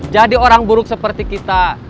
jadi orang buruk seperti kita